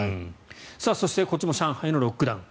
そしてこちらも上海のロックダウン。